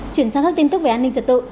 chuyển sang các tin tức về an ninh trật tự